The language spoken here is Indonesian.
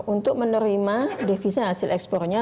untuk menerima devisa hasil ekspornya